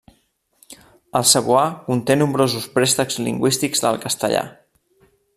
El cebuà conté nombrosos préstecs lingüístics del castellà.